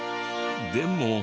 でも。